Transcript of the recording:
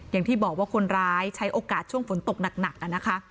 อย่างที่บอกว่าคนร้ายใช้โอกาสช่วงฝนตกหนักนะคะ